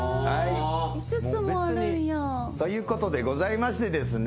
５つもあるんや。ということでございましてですね